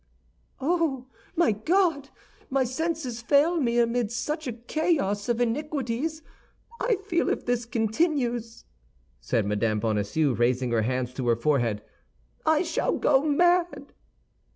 "Oh, my God! My senses fail me amid such a chaos of iniquities. I feel, if this continues," said Mme. Bonacieux, raising her hands to her forehead, "I shall go mad!"